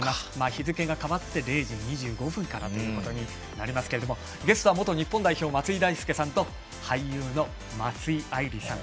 日付が変わって、０時２５分からということになりますけどゲストは元日本代表の松井大輔さんと俳優の松井愛莉さん。